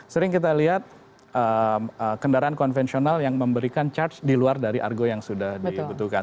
sering kita lihat kendaraan konvensional yang memberikan charge di luar dari argo yang sudah dibutuhkan